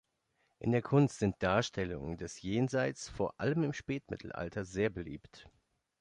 In der Kunst sind Darstellungen des Jenseits vor allem im Spätmittelalter sehr beliebt.